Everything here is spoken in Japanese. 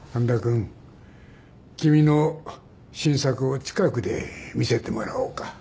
君の新作を近くで見せてもらおうか。